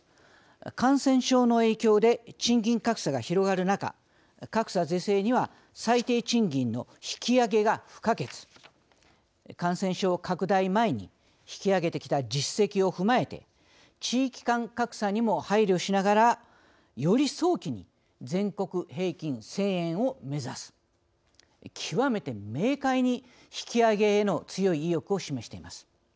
「感染症の影響で賃金格差が広がる中格差是正には最低賃金の引き上げが不可欠」「感染症拡大前に引き上げてきた実績を踏まえて地域間格差にも配慮しながらより早期に全国平均１０００円を目指す極めて明快に引き上げへの強い意欲を示しています。